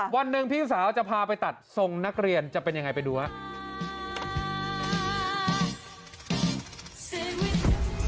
วันหนึ่งพี่สาวจะพาไปตัดทรงนักเรียนจะเป็นยังไงไปดูครับ